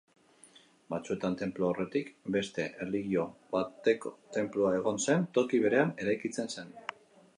Batzuetan tenplua aurretik beste erlijio bateko tenplua egon zen toki berean eraikitzen zen.